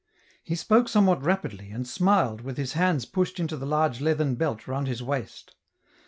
He spoke somewhat EN ROUTE. 155 rapidly, and smiled, with his hands pushed into the large leathern belt round his waist.